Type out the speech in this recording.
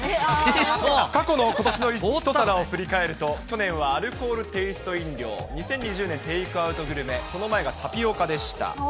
過去の今年の一皿を振り返ると、去年はアルコールテイスト飲料、２０２０年、テイクアウトグルメ、その前がタピオカでした。